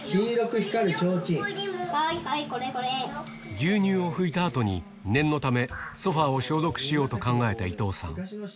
牛乳を拭いたあとに、念のためソファーを消毒しようと考えた伊藤さん。